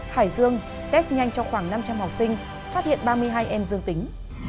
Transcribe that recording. hải dương test nhanh cho khoảng năm trăm linh học sinh phát hiện ba mươi hai em dương tính